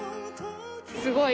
すごい。